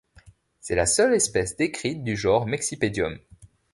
C'est la seule espèce décrite du genre Mexipedium.